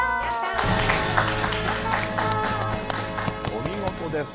お見事です。